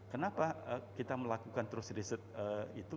kenapa kita melakukan terus riset itu